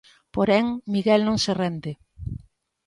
Porén, Miguel non se rende.